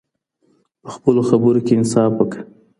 په خپلو خبرو کي انصاف وکړه.